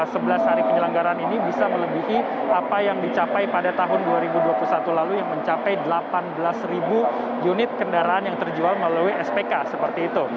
sebelas hari penyelenggaran ini bisa melebihi apa yang dicapai pada tahun dua ribu dua puluh satu lalu yang mencapai delapan belas ribu unit kendaraan yang terjual melalui spk seperti itu